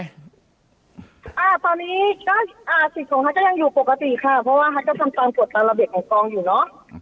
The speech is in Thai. ตอนนี้่า๑๐ของฮัตก็ยังอยู่ปกติค่ะเพราะว่าฮัตก็ต้องกดปันระเบียดกลางกองอยู่เนาะ